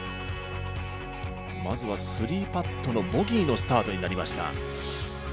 まずは３パットのボギーのスタートになりました。